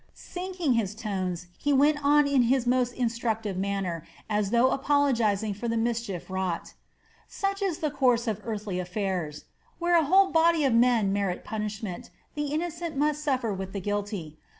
Sinking his tones, he went on in his most instructive manner, as though apologizing for the mischief wrought: "Such is the course of earthly affairs! Where a whole body of men merit punishment, the innocent must suffer with the guilty.